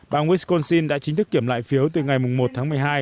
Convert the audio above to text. bà wisconsin đã chính thức kiểm lại phiếu từ ngày một tháng một mươi hai